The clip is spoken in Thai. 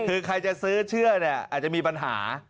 คือใครจะซื้อเชื่อเนี่ยอาจจะมีปัญหา